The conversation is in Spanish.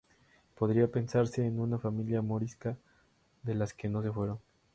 Podría pensarse en una familia morisca de las que no se fueron.